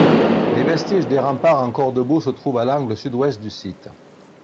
Les vestiges des remparts encore debout se trouvent à l'angle sud-ouest du site.